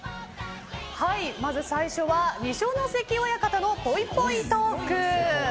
まず最初は二所ノ関親方のぽいぽいトーク。